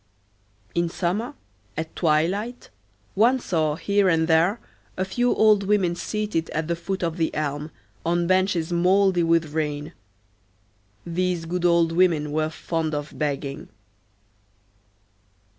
In summer, at twilight, one saw, here and there, a few old women seated at the foot of the elm, on benches mouldy with rain. These good old women were fond of begging.